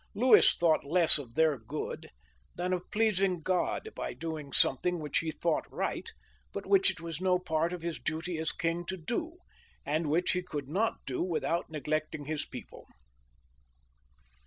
Louis thought less of their good than of pleasing God by doing something which he thought right, but which it was no part of his duty as king to do, and which he could not do without neglecting his people.